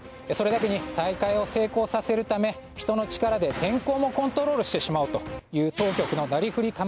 それだけに大会を成功させるため人の力で天候もコントロールしてしまおうという当局のなりふり